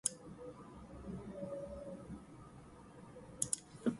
This will help you structure your arguments and ensure a logical flow of ideas.